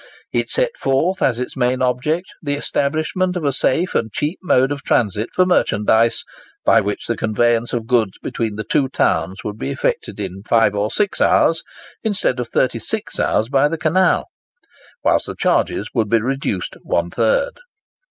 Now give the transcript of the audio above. It set forth as its main object the establishment of a safe and cheap mode of transit for merchandise, by which the conveyance of goods between the two towns would be effected in 5 or 6 hours (instead of 36 hours by the canal), whilst the charges would be reduced one third.